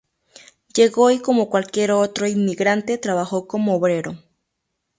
Llegó y como cualquier otro inmigrante trabajó como obrero.